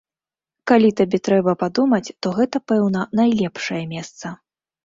Калі табе трэба падумаць, то гэта, пэўна, найлепшае месца.